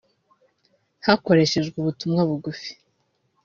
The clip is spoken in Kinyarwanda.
Hakoreshejwe ubutumwa bugufi